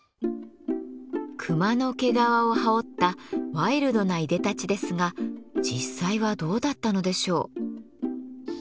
熊の毛皮を羽織ったワイルドないでたちですが実際はどうだったのでしょう。